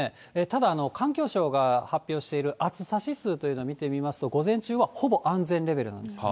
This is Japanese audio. ただ、環境省が発表している暑さ指数というのを見てみますと、午前中はほぼ安全レベルなんです。